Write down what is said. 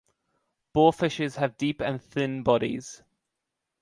Boarfishes have deep and thin bodies.